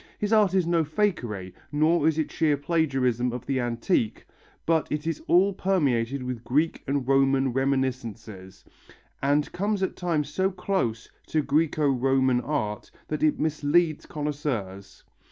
His art is no fakery, nor is it sheer plagiarism of the antique, but it is all permeated with Greek and Roman reminiscences, and comes at times so close to the Græco Roman art that it misleads connoisseurs.